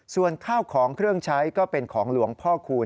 ส่วนข้าวของเครื่องใช้ก็เป็นของหลวงพ่อคูณ